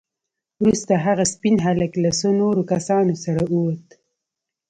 وروسته هغه سپين هلک له څو نورو کسانو سره ووت.